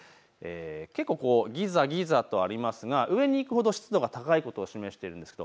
結構、ギザギザとありますが上に行くほど湿度が高いことを示しているんです。